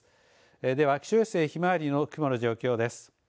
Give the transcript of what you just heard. では、気象衛星ひまわりの雲の状況です。